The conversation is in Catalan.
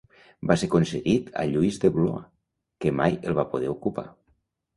Va ser concedit a Lluís de Blois que mai el va poder ocupar.